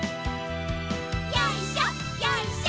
よいしょよいしょ。